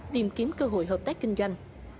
tìm kiếm cơ hội hợp tác kinh doanh